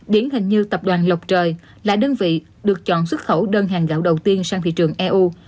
điển hình như tập đoàn lộc trời là đơn vị được chọn xuất khẩu đơn hàng gạo đầu tiên sang thị trường eu